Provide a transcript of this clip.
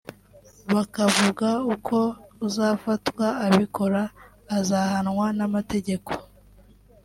bakavuga ko uzafatwa abikora azahanwa n’amategeko